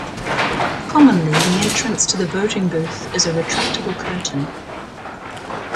Commonly the entrance to the voting booth is a retractable curtain.